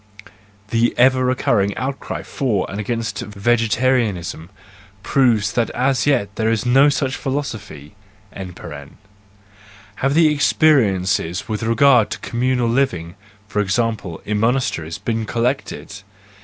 (The ever recurring outcry for and against vegetarianism proves that as yet there is no such philosophy!) Have the experiences with regard to communal living, for example, in monasteries, been collected?